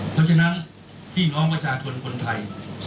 เพราะฉะนั้นพี่น้องประชาชนคนไทย